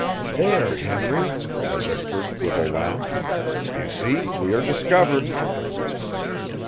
"There, Henry," I whispered, with a laugh; "you see we are discovered."